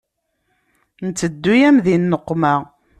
Nteddu-yam di nneqma.